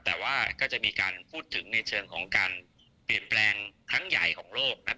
แต่ว่าก็จะมีการพูดถึงในเชิงของการเปลี่ยนแปลงครั้งใหญ่ของโลกนะครับ